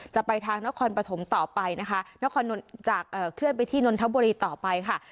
จะไปทางนครปฐมต่อไปนะคะเคลื่อนไปที่นนทบุรีต่อไปค่ะ